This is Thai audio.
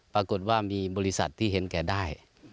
ปรากฏว่ามีบริษัทที่เห็นแก่ได้